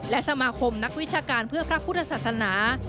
และสมาคมนักวิชาการเพื่อพระพุทธศาสนา